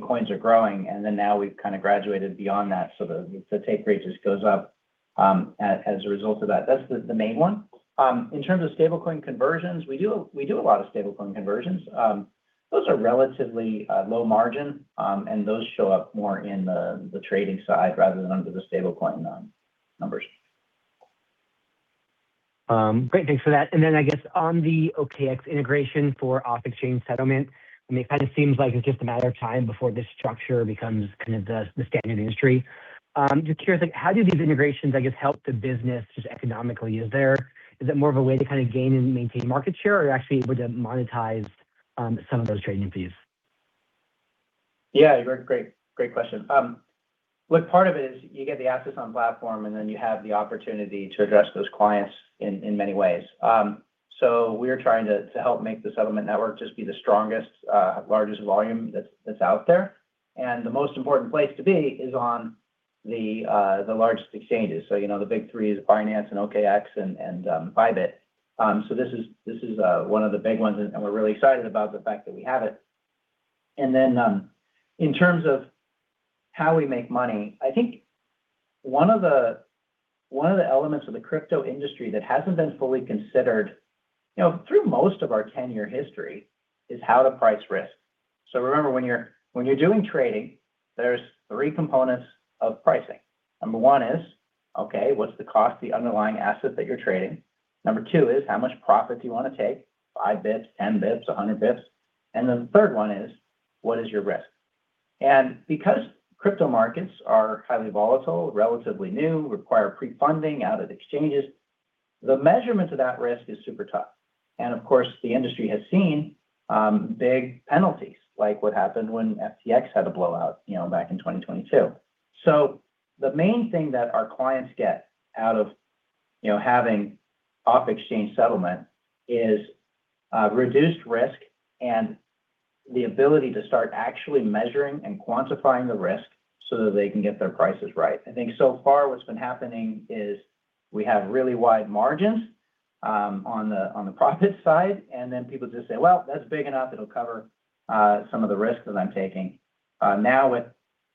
coins are growing, and then now we've kind of graduated beyond that. The take rate just goes up as a result of that. That's the main one. In terms of stablecoin conversions, we do a lot of stablecoin conversions. Those are relatively low margin. Those show up more in the trading side rather than under the stablecoin numbers. Great. Thanks for that. I guess on the OKX integration for off-exchange settlement, I mean, it kind of seems like it's just a matter of time before this structure becomes kind of the standard industry. Just curious, like, how do these integrations, I guess, help the business just economically? Is it more of a way to kind of gain and maintain market share, or actually able to monetize some of those trading fees? Yeah, great question. Look, part of it is you get the assets on platform, and then you have the opportunity to address those clients in many ways. We're trying to help make the settlement network just be the strongest, largest volume that's out there. The most important place to be is on the largest exchanges. You know, the big three is Binance and OKX and Bybit. This is one of the big ones, and we're really excited about the fact that we have it. Then, in terms of how we make money, I think one of the elements of the crypto industry that hasn't been fully considered, you know, through most of our 10-year history, is how to price risk. Remember, when you're doing trading, there's three components of pricing. Number one is, what's the cost of the underlying asset that you're trading? Number two is, how much profit do you wanna take? 5 basis points, 10 basis points, 100 basis points? The third one is, what is your risk? Because crypto markets are highly volatile, relatively new, require pre-funding out of the exchanges, the measurement of that risk is super tough. Of course, the industry has seen big penalties, like what happened when FTX had a blowout, you know, back in 2022. The main thing that our clients get out of, you know, having off-exchange settlement is reduced risk and the ability to start actually measuring and quantifying the risk so that they can get their prices right. I think so far what's been happening is we have really wide margins on the, on the profit side, and then people just say, "Well, that's big enough. It'll cover some of the risks that I'm taking." Now with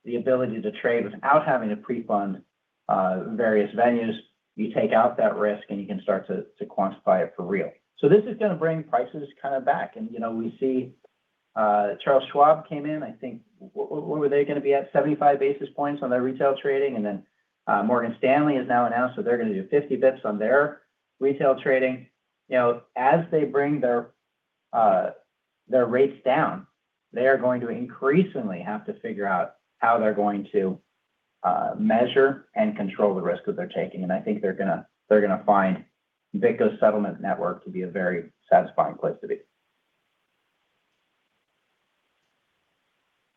the ability to trade without having to pre-fund various venues, you take out that risk and you can start to quantify it for real. This is gonna bring prices kind of back. You know, we see Charles Schwab came in. I think were they gonna be at 75 basis points on their retail trading? Morgan Stanley has now announced that they're gonna do 50 basis points on their retail trading. You know, as they bring their rates down, they are going to increasingly have to figure out how they're going to measure and control the risk that they're taking. I think they're gonna, they're gonna find BitGo's settlement network to be a very satisfying place to be.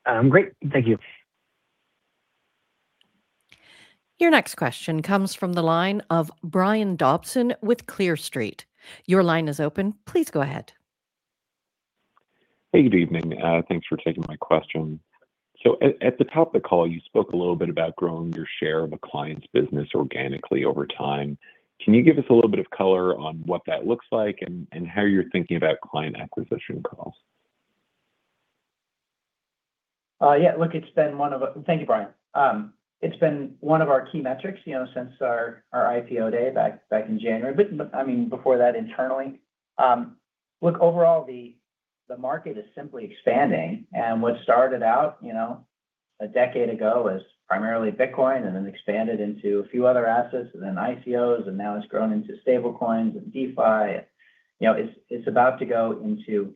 Great. Thank you. Your next question comes from the line of Brian Dobson with Clear Street. Your line is open. Please go ahead. Hey, good evening. Thanks for taking my question. At the top of the call, you spoke a little bit about growing your share of a client's business organically over time. Can you give us a little bit of color on what that looks like and how you're thinking about client acquisition costs? Yeah. Look, it's been one of Thank you, Brian. It's been one of our key metrics, you know, since our IPO day back in January, I mean, before that internally. Look, overall, the market is simply expanding. What started out, you know, a decade ago as primarily Bitcoin, then expanded into a few other assets, then ICOs, and now it's grown into stablecoins and DeFi. You know, it's about to go into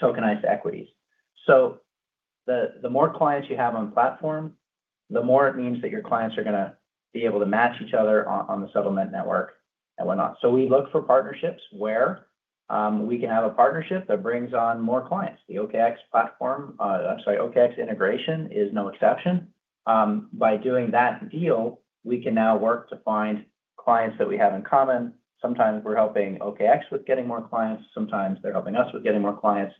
tokenized equities. The more clients you have on platform, the more it means that your clients are gonna be able to match each other on the settlement network and whatnot. We look for partnerships where we can have a partnership that brings on more clients. The OKX platform, sorry, OKX integration is no exception. By doing that deal, we can now work to find clients that we have in common. Sometimes we're helping OKX with getting more clients, sometimes they're helping us with getting more clients.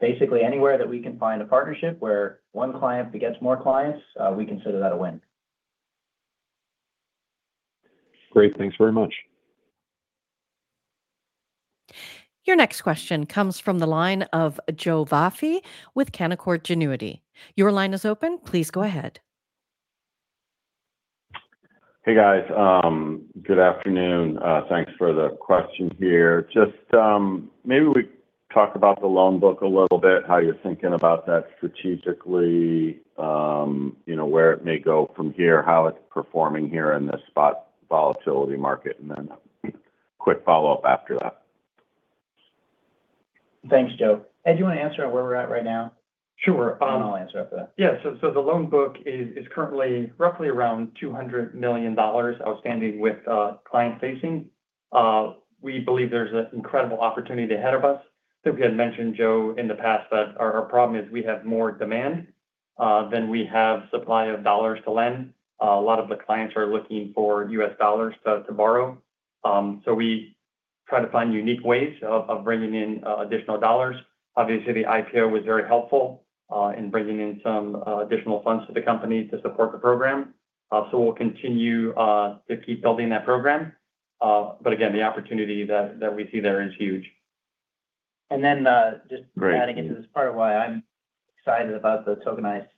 Basically anywhere that we can find a partnership where one client begets more clients, we consider that a win. Great. Thanks very much. Your next question comes from the line of Joe Vafi with Canaccord Genuity. Your line is open. Please go ahead. Hey, guys. Good afternoon. Thanks for the question here. Just maybe we talk about the loan book a little bit, how you're thinking about that strategically. You know, where it may go from here, how it's performing here in this spot volatility market, and then quick follow-up after that. Thanks, Joe. Ed, do you wanna answer on where we're at right now? Sure. I'll answer after that. The loan book is currently roughly around $200 million outstanding with client-facing. We believe there's an incredible opportunity ahead of us. I think we had mentioned, Joe, in the past that our problem is we have more demand than we have supply of dollars to lend. A lot of the clients are looking for U.S. dollars to borrow. We try to find unique ways of bringing in additional dollars. Obviously, the IPO was very helpful in bringing in some additional funds to the company to support the program. We'll continue to keep building that program. Again, the opportunity that we see there is huge. And then, uh, just- Great. Adding into this part why I'm excited about the tokenized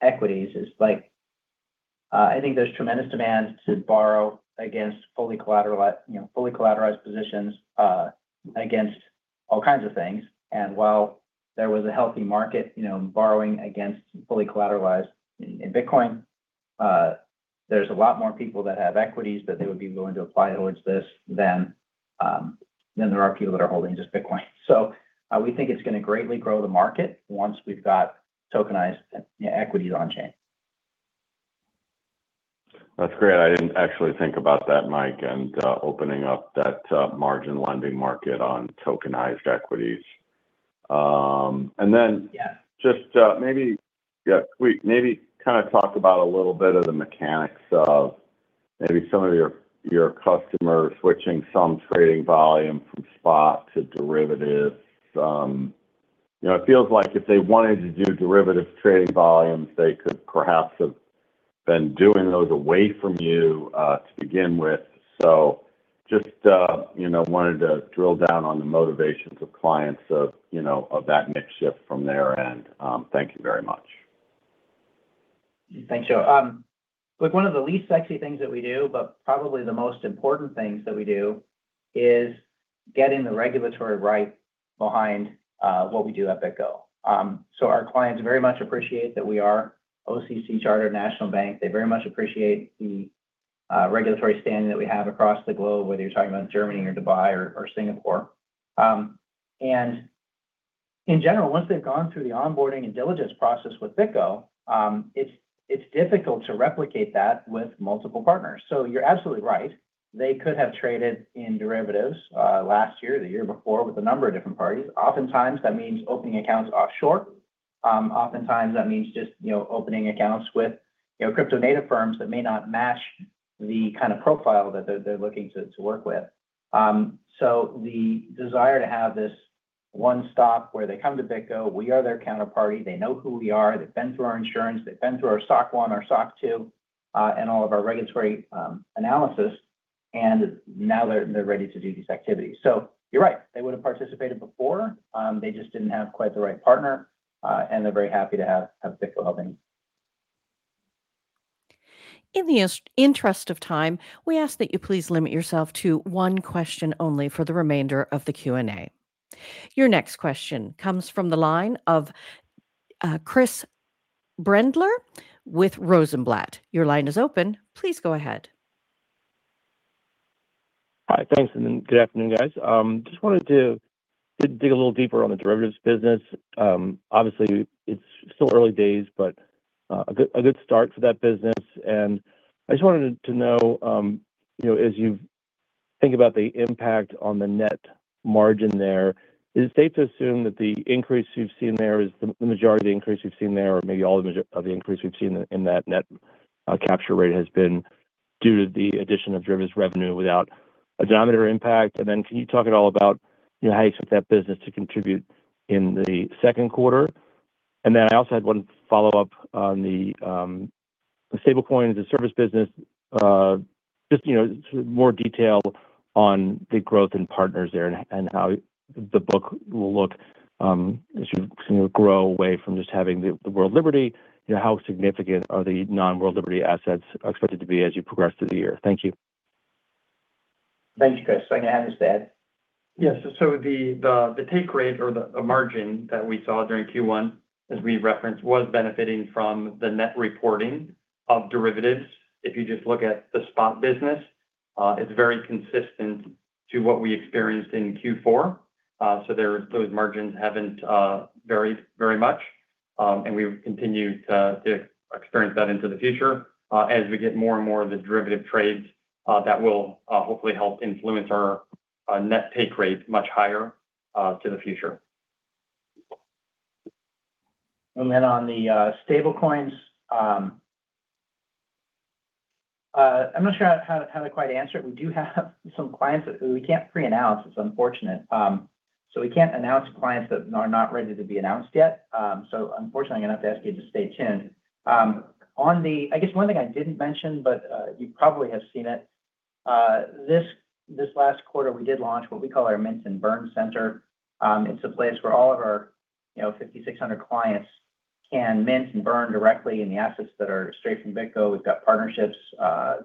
equities is, I think, there's tremendous demand to borrow against fully collateralized, you know, fully collateralized positions against all kinds of things. While there was a healthy market, you know, borrowing against fully collateralized in Bitcoin, there's a lot more people that have equities that they would be willing to apply towards this than there are people that are holding just Bitcoin. We think it's gonna greatly grow the market once we've got tokenized equities on chain. That's great. I didn't actually think about that, Mike, and opening up that margin lending market on tokenized equities. Yeah. Just, maybe, quick, maybe kind of talk about a little bit of the mechanics of maybe some of your customers switching some trading volume from spot to derivatives. You know, it feels like if they wanted to do derivatives trading volumes, they could perhaps have been doing those away from you, to begin with. Just, you know, wanted to drill down on the motivations of clients of, you know, of that mix shift from their end. Thank you very much. Thanks, Joe. Look, one of the least sexy things that we do, but probably the most important things that we do, is getting the regulatory right behind what we do at BitGo. Our clients very much appreciate that we are OCC chartered national bank. They very much appreciate the regulatory standing that we have across the globe, whether you're talking about Germany or Dubai or Singapore. In general, once they've gone through the onboarding and diligence process with BitGo, it's difficult to replicate that with multiple partners. You're absolutely right. They could have traded in derivatives last year or the year before with a number of different parties. Oftentimes, that means opening accounts offshore. Oftentimes that means just, you know, opening accounts with, crypto native firms that may not match the kind of profile that they're looking to work with. The desire to have this one stop where they come to BitGo, we are their counterparty, they know who we are, they've been through our insurance, they've been through our SOC 1, our SOC 2, and all of our regulatory analysis, and now they're ready to do these activities. You're right. They would've participated before. They just didn't have quite the right partner. And they're very happy to have BitGo helping. In the interest of time, we ask that you please limit yourself to one question only for the remainder of the Q&A. Your next question comes from the line of Chris Brendler with Rosenblatt. Your line is open. Please go ahead. Hi. Thanks, good afternoon, guys. Just wanted to dig a little deeper on the derivatives business. Obviously it's still early days, but a good start for that business. I just wanted to know, you know, as you think about the impact on the net margin there, is it safe to assume that the increase you've seen there is the majority of the increase you've seen there, or maybe all of the increase we've seen in that net capture rate has been due to the addition of derivatives revenue without a denominator impact? Can you talk at all about, you know, how you expect that business to contribute in the second quarter? I also had one follow-up on the Stablecoin-as-a-Service business. Just, you know, sort of more detail on the growth in partners there and how the book will look as you kind of grow away from just having the World Liberty. You know, how significant are the non-World Liberty assets expected to be as you progress through the year? Thank you. Thank you, Chris. Ed, anything to add? Yes. The take rate or the margin that we saw during Q1, as we referenced, was benefiting from the net reporting of derivatives. If you just look at the spot business, it's very consistent to what we experienced in Q4. There, those margins haven't varied very much. We continue to experience that into the future. As we get more and more of the derivative trades, that will hopefully help influence our net take rate much higher to the future. On the stablecoins, I'm not sure how to quite answer it. We do have some clients that we can't preannounce. It's unfortunate. We can't announce clients that are not ready to be announced yet. Unfortunately, I'm going to have to ask you to stay tuned. On the I guess one thing I didn't mention, you probably have seen it, this last quarter, we did launch what we call our Mint and Burn Center. It's a place where all of our, you know, 5,600 clients can mint and burn directly in the assets that are straight from BitGo. We've got partnerships.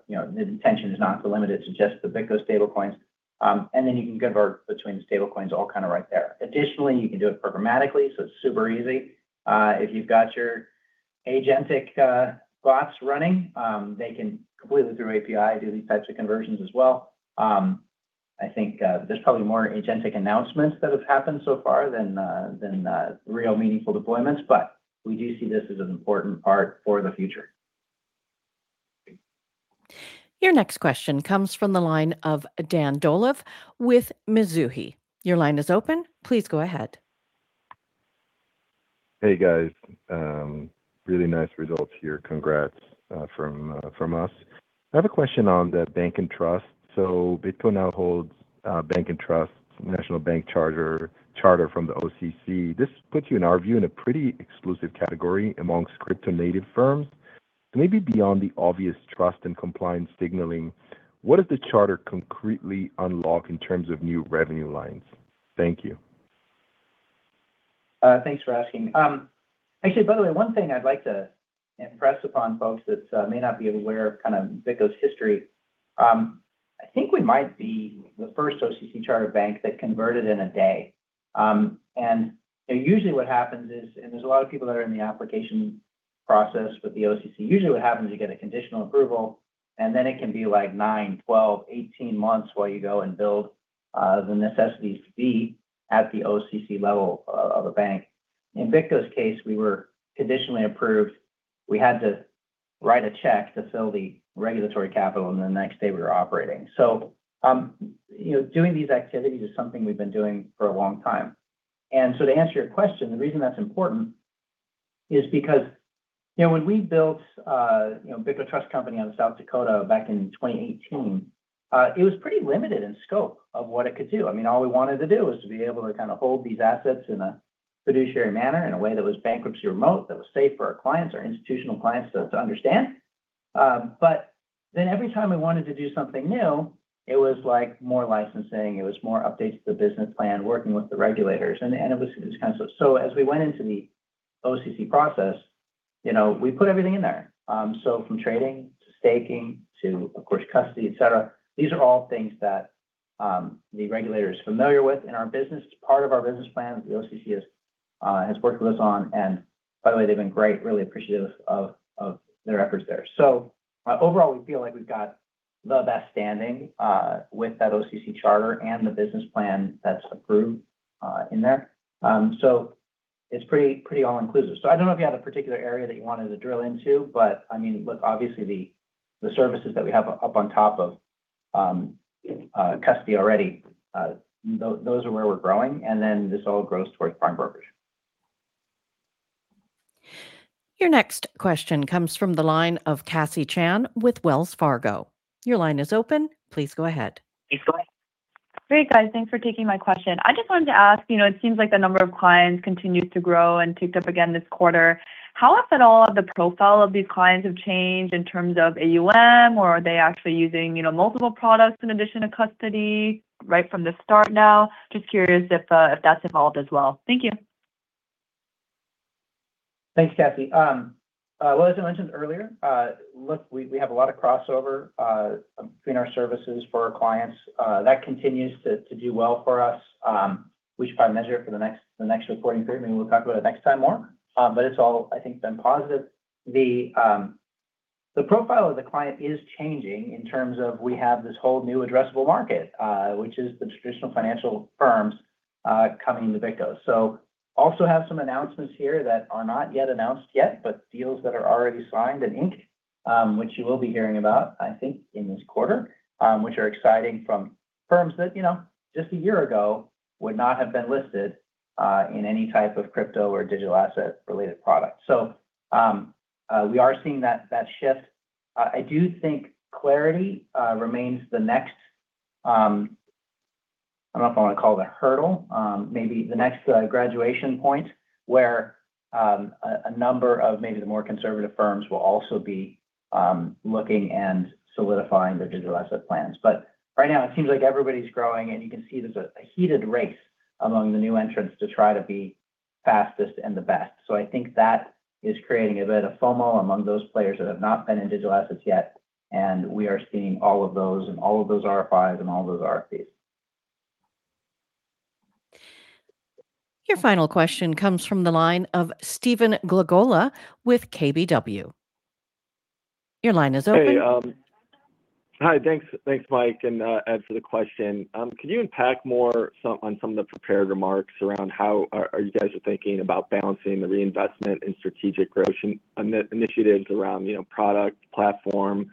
You know, the intention is not to limit it to just the BitGo stablecoins. You can convert between stablecoins all kind of right there. Additionally, you can do it programmatically, so it's super easy. If you've got your agentic bots running, they can completely through API do these types of conversions as well. I think, there's probably more agentic announcements that have happened so far than than real meaningful deployments. We do see this as an important part for the future. Your next question comes from the line of Dan Dolev with Mizuho. Your line is open. Please go ahead. Hey, guys. Really nice results here. Congrats from us. I have a question on the bank and trust. BitGo now holds bank and trust, national bank charter from the OCC. This puts you, in our view, in a pretty exclusive category amongst crypto native firms. Maybe beyond the obvious trust and compliance signaling, what does the charter concretely unlock in terms of new revenue lines? Thank you. Thanks for asking. Actually, by the way, one thing I'd like to impress upon folks that may not be aware of kind of BitGo's history, I think we might be the first OCC charter bank that converted in a day. You know, usually what happens is, there's a lot of people that are in the application process with the OCC. Usually what happens, you get a conditional approval, then it can be like nine, 12, 18 months while you go and build the necessities fee at the OCC level of a bank. In BitGo's case, we were conditionally approved. We had to write a check to fill the regulatory capital, the next day we were operating. You know, doing these activities is something we've been doing for a long time. To answer your question, the reason that's important is because, you know, when we built, you know, BitGo Trust Company out of South Dakota back in 2018, it was pretty limited in scope of what it could do. I mean, all we wanted to do was to be able to kind of hold these assets in a fiduciary manner, in a way that was bankruptcy remote, that was safe for our clients, our institutional clients to understand. Every time we wanted to do something new, it was, like, more licensing, it was more updates to the business plan, working with the regulators. As we went into the OCC process, you know, we put everything in there. From trading to staking to, of course, custody, et cetera, these are all things that the regulator is familiar with in our business. It's part of our business plan that the OCC has worked with us on. By the way, they've been great, really appreciative of their efforts there. Overall, we feel like we've got the best standing with that OCC charter and the business plan that's approved in there. It's pretty all-inclusive. I don't know if you had a particular area that you wanted to drill into, but I mean, look, obviously the services that we have up on top of custody already, those are where we're growing and this all grows towards prime brokerage. Your next question comes from the line of Cassie Chan with Wells Fargo. Your line is open. Please go ahead. Great, guys. Thanks for taking my question. I just wanted to ask, you know, it seems like the number of clients continued to grow and ticked up again this quarter. How, if at all, have the profile of these clients have changed in terms of AUM, or are they actually using, you know, multiple products in addition to custody right from the start now? Just curious if that's evolved as well. Thank you. Thanks, Cassie. Well, as I mentioned earlier, look, we have a lot of crossover between our services for our clients. That continues to do well for us. We should probably measure it for the next reporting period. Maybe we'll talk about it next time more. It's all, I think, been positive. The profile of the client is changing in terms of we have this whole new addressable market, which is the traditional financial firms coming to BitGo. Also have some announcements here that are not yet announced yet, but deals that are already signed in ink, which you will be hearing about, I think, in this quarter, which are exciting from firms that, you know, just one year ago would not have been listed in any type of crypto or digital asset related product. We are seeing that shift. I do think clarity remains the next, I don't know if I wanna call it a hurdle, maybe the next graduation point where a number of maybe the more conservative firms will also be looking and solidifying their digital asset plans. Right now it seems like everybody's growing, and you can see there's a heated race among the new entrants to try to be fastest and the best. I think that is creating a bit of FOMO among those players that have not been in digital assets yet, and we are seeing all of those and all of those RFIs and all of those RFPs. Your final question comes from the line of Stephen Glagola with KBW. Your line is open. Hey, hi. Thanks, Mike, for the question. Can you unpack more on some of the prepared remarks around how are you guys are thinking about balancing the reinvestment in strategic growth on the initiatives around, you know, product, platform,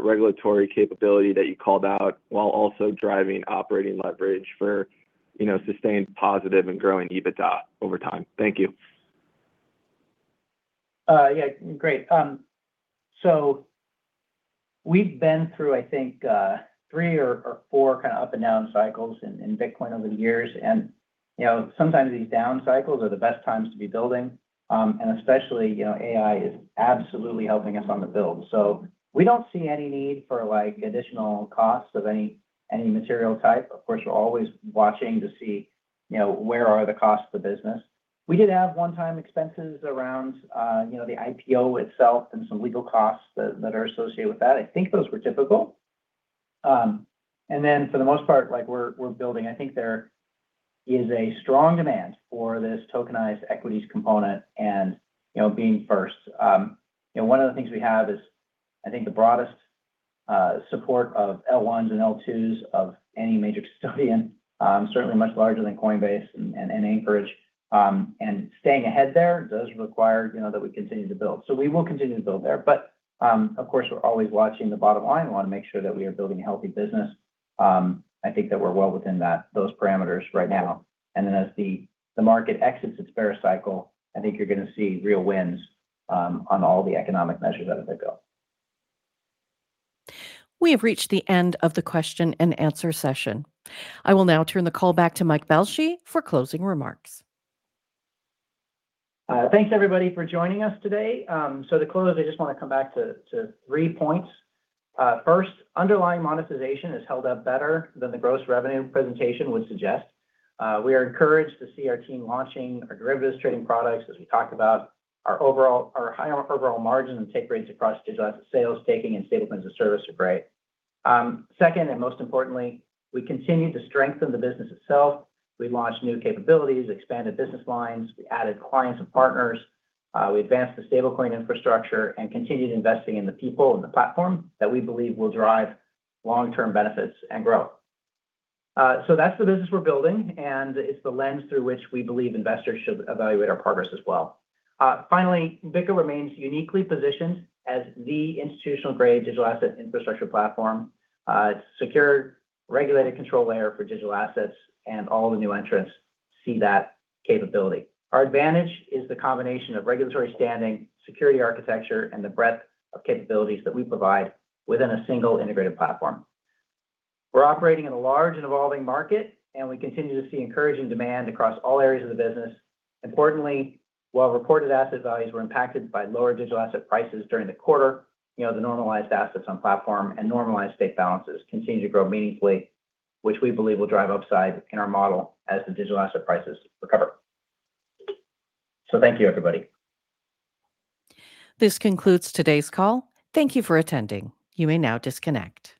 regulatory capability that you called out, while also driving operating leverage for, you know, sustained, positive, and growing EBITDA over time? Thank you. We've been through, I think, three or four kind of up and down cycles in Bitcoin over the years. You know, sometimes these down cycles are the best times to be building. Especially, you know, AI is absolutely helping us on the build. We don't see any need for, like, additional costs of any material type. Of course, you're always watching to see, you know, where are the costs of the business. We did have one-time expenses around, you know, the IPO itself and some legal costs that are associated with that. I think those were typical. For the most part, like we're building. I think there is a strong demand for this tokenized equities component and, you know, being first. You know, one of the things we have is I think the broadest support of L1s and L2s of any major custodian, certainly much larger than Coinbase and Anchorage. Staying ahead there does require, you know, that we continue to build. We will continue to build there. Of course, we're always watching the bottom line. We wanna make sure that we are building a healthy business. I think that we're well within those parameters right now. As the market exits its bear cycle, I think you're gonna see real wins on all the economic measures out of the build. We have reached the end of the question and answer session. I will now turn the call back to Mike Belshe for closing remarks. Thanks everybody for joining us today. To close, I just want to come back to three points. First, underlying monetization has held up better than the gross revenue presentation would suggest. We are encouraged to see our team launching our derivatives trading products as we talk about our high overall margin and take rates across digital asset sales, staking and Stablecoin-as-a-Service are great. Second, most importantly, we continue to strengthen the business itself. We launched new capabilities, expanded business lines, we added clients and partners, we advanced the stablecoin infrastructure and continued investing in the people and the platform that we believe will drive long-term benefits and growth. That's the business we're building, and it's the lens through which we believe investors should evaluate our progress as well. Finally, BitGo remains uniquely positioned as the institutional-grade digital asset infrastructure platform, secure, regulated control layer for digital assets and all the new entrants see that capability. Our advantage is the combination of regulatory standing, security architecture, and the breadth of capabilities that we provide within a single integrated platform. We're operating in a large and evolving market, and we continue to see encouraging demand across all areas of the business. Importantly, while reported asset values were impacted by lower digital asset prices during the quarter, you know, the normalized assets on platform and normalized staked balances continue to grow meaningfully, which we believe will drive upside in our model as the digital asset prices recover. Thank you, everybody. This concludes today's call. Thank you for attending. You may now disconnect.